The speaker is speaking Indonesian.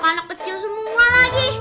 anak kecil semua lagi